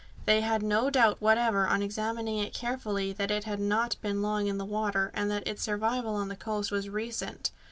They had no doubt whatever, on examining it carefully, that it had not been long in the water, and that its arrival on this coast was recent.